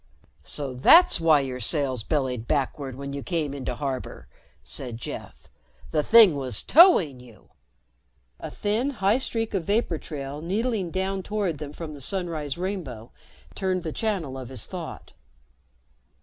"So that's why your sails bellied backward when you came in to harbor," said Jeff. "The thing was towing you." A thin, high streak of vapor trail needling down toward them from the sunrise rainbow turned the channel of his thought.